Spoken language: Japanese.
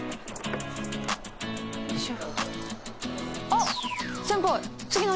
よいしょ。